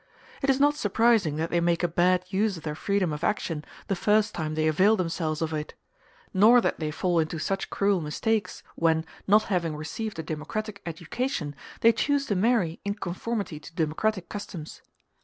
It is not surprising that they make a bad use of their freedom of action the first time they avail themselves of it; nor that they fall into such cruel mistakes, when, not having received a democratic education, they choose to marry in conformity to democratic customs.